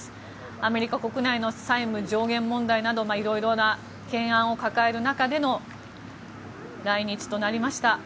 アメリカ国内の債務上限問題など色々懸案を抱える中での来日となりました。